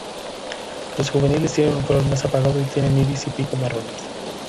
Los juveniles tienen un color más apagado y tienen iris y pico marrones.